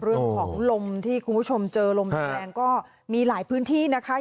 เรื่องของลมที่คุณผู้ชมเจอลมแรงก็มีหลายพื้นที่นะคะ